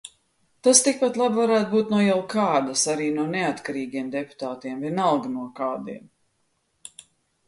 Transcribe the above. Tas tikpat labi varētu būt no jelkādas, arī no neatkarīgajiem deputātiem, vienalga, no kādiem.